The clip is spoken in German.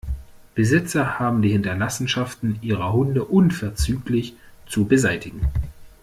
Besitzer haben die Hinterlassenschaften ihrer Hunde unverzüglich zu beseitigen.